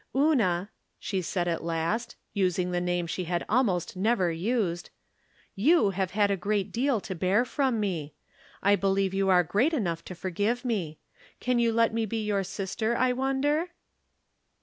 " Una," she said, at last, using the name she had almost never used, " you have had a great deal to bear from me. I believe you are great enough to forgive me. Can you let me be your sister, I wonder